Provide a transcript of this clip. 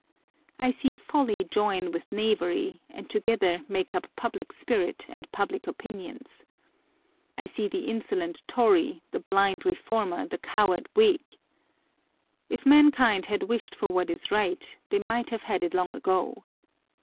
I see folly join with knavery, and together make up public spirit and public opinions. I see the insolent Tory, the blind Keformer, the coward Whig ! If mankind had wished for wrhat is right, they might have had it long ago.